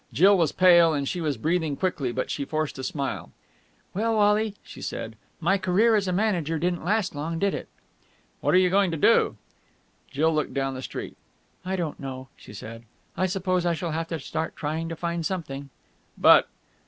Jill was pale, and she was breathing quickly, but she forced a smile. "Well, Wally," she said. "My career as a manager didn't last long, did it?" "What are you going to do?" Jill looked down the street. "I don't know," she said. "I suppose I shall have to start trying to find something." "But...."